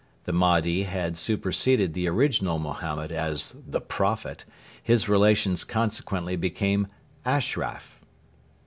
[The Madhi had superseded the original Mohammed as 'the Prophet.' His relations consequently became 'Ashraf.'